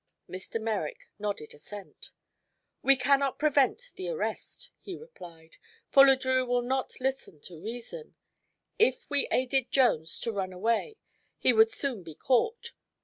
Mr. Merrick nodded assent. "We cannot prevent the arrest," he replied, "for Le Drieux will not listen to reason. If we aided Jones to run away he would soon be caught.